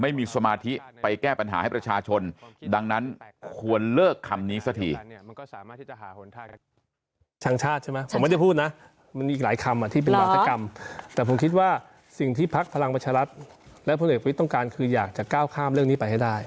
ไม่มีสมาธิไปแก้ปัญหาให้ประชาชนดังนั้นควรเลิกคำนี้สักที